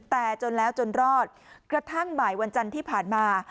แต่จนแล้วจนรอดกระทั่งบ่ายวันจันทร์ที่ผ่านมา